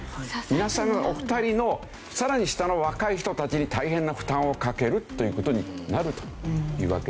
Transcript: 皆さんお二人のさらに下の若い人たちに大変な負担をかけるという事になるというわけですよね。